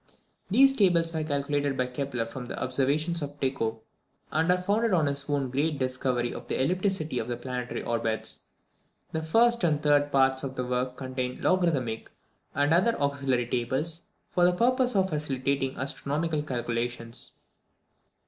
These Tables were calculated by Kepler from the Observations of Tycho, and are founded on his own great discovery of the ellipticity of the planetary orbits. The first and third parts of the work contain logarithmic and other auxiliary tables, for the purpose of facilitating astronomical calculations.